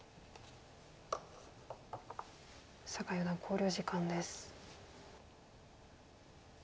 酒井四段考慮時間です。